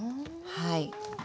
はい。